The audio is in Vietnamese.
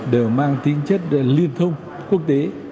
đều mang tính chất liên thông quốc tế